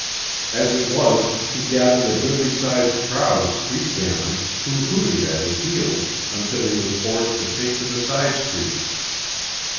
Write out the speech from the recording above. As it was, he gathered a goodly sized crowd of street gamins who hooted at his heels until he was forced to take to the side streets.